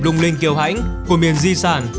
đung linh kiều hãnh của miền di sản